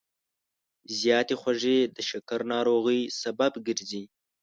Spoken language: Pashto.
زیاتې خوږې د شکر ناروغۍ سبب ګرځي.